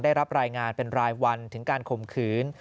ได้รับรายงานเป็นรายวันถึงการข่มขืน